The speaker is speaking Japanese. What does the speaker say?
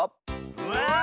うわ！